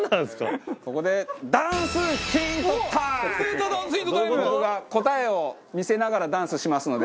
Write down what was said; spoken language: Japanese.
ここで僕が答えを見せながらダンスしますので。